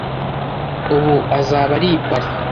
Ubu azaba ari i Paris.